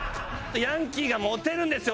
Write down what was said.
ヤンキーがモテるんですよ